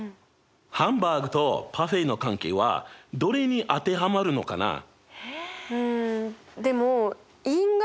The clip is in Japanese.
ハンバーグとパフェの関係はどれに当てはまるのかな？